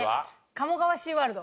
鴨川シーワールド。